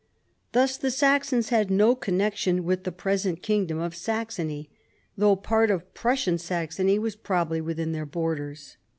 Thus the Saxons had no connection wnth the pres ent kingdom of Saxony, though part of Prussian Saxony w^as probably within their borders.